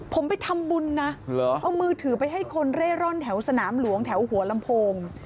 ผมไปทำบุญนะเอามือถือไปให้คนเร่ร่อนแถวสนามหลวงแถวหัวลำโพง